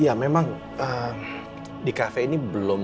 iya memang di kafe ini